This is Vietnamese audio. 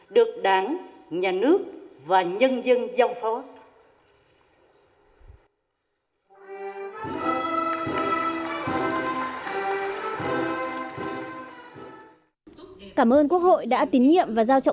được đảng nhà nước và nhân dân giao phó